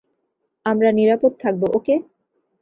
আমরা নিরাপদ থাকব, ওকে?